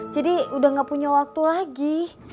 jadi udah ga punya waktu lagi